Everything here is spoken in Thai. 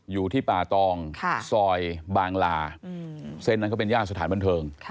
อยู่ที่ป่าตองซอยบางลาเส้นนั้นก็เป็นย่านสถานบันเทิง